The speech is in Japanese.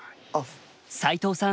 齋藤さん